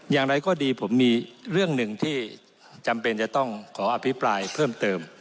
อย่างไรก็ดีผมมีเรื่องหนึ่งที่จำเป็นจะต้องขออภิปรายเพิ่มเติม